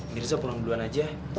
mirza pulang duluan aja